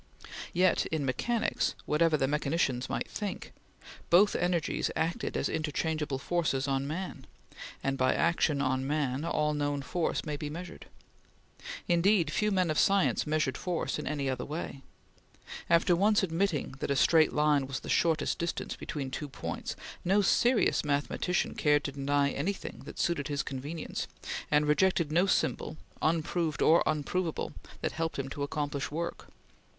Yet in mechanics, whatever the mechanicians might think, both energies acted as interchangeable force on man, and by action on man all known force may be measured. Indeed, few men of science measured force in any other way. After once admitting that a straight line was the shortest distance between two points, no serious mathematician cared to deny anything that suited his convenience, and rejected no symbol, unproved or unproveable, that helped him to accomplish work.